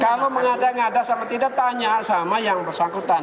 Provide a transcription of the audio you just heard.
kalau mengadanya nggak ada sama tidak tanya sama yang bersangkutan